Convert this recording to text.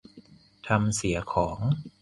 ทำเสียของ